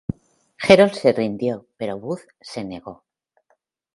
Herold se rindió, pero Booth se negó.